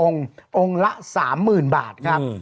องค์องค์ละ๓๐๐๐บาทครับ